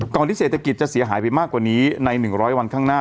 ที่เศรษฐกิจจะเสียหายไปมากกว่านี้ใน๑๐๐วันข้างหน้า